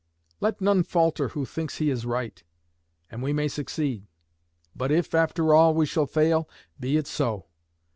Let none falter who thinks he is right, and we may succeed. But if, after all, we shall fail, be it so.